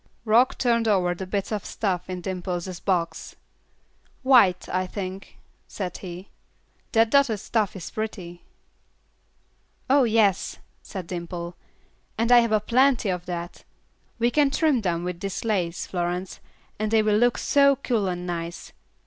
Rock turned over the bits of stuff in Dimple's box. "White, I think," said he; "that dotted stuff is pretty." "Oh, yes," said Dimple, "and I have plenty of that. We can trim them with this lace, Florence, and they will look so cool and nice.